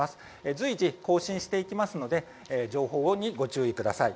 随時更新していきますので情報にご注意ください。